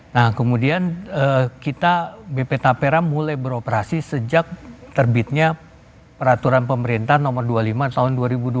nah kemudian kita bp tapera mulai beroperasi sejak terbitnya peraturan pemerintah nomor dua puluh lima tahun dua ribu dua puluh